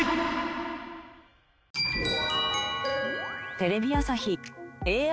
テレビ朝日ＡＩＣＧ